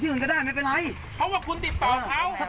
อื่นก็ได้ไม่เป็นไรเพราะว่าคุณติดต่อเขา